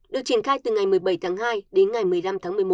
được triển khai từ ngày một mươi bảy hai đến ngày một mươi năm một mươi một